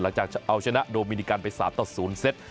หลังจากเอาชนะโดมินิกันไป๓ตัว๐เซ็ต